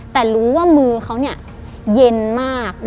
แต่รู้ว่ามือเขาเย็นมาก